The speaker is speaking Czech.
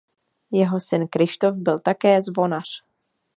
Jeho syn Kryštof byl také zvonař.